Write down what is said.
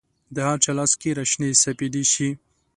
د هرچا لار کې را شنې سپیدې شي